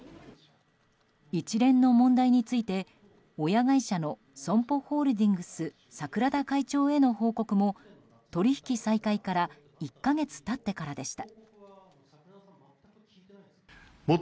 一連の問題について、親会社のＳＯＭＰＯホールディングス櫻田会長への報告も取引再開から１か月経ってからでした。